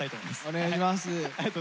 お願いします。